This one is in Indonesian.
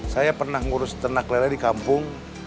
saya pernah ngurus tenag lera di kampung